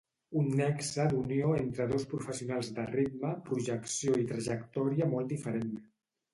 Un nexe d'unió entre dos professionals de ritme, projecció i trajectòria molt diferent.